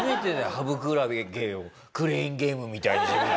ハブクラゲをクレーンゲームみたいに自分で。